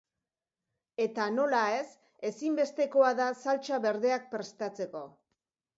Eta, nola ez, ezinbestekoa da saltsa berdeak prestatzeko.